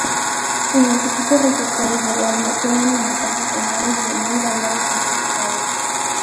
En los equipos receptores de radio suelen manejarse señales de muy variadas intensidades.